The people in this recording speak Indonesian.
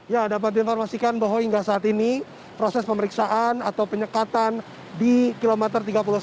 ya dapat diinformasikan bahwa hingga saat ini proses pemeriksaan atau penyekatan di kilometer tiga puluh satu